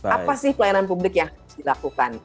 apa sih pelayanan publik yang harus dilakukan